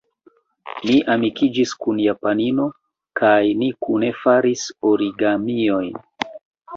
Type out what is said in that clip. Mi amikiĝis kun japanino, kaj ni kune faris origamiojn.